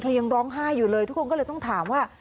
ยังร้องไห้อยู่เลยทุกคนก็เลยต้องถามว่า